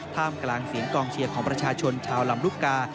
ท่ามกลางเสียงกองเชียร์ของประชาชนชาวลำลูกกา